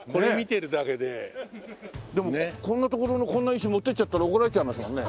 でもこんなところのこんな石持っていっちゃったら怒られちゃいますもんね。